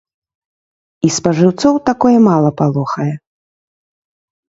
І спажыўцоў такое мала палохае.